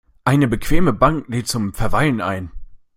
Eine bequeme Bank lädt zum Verweilen ein.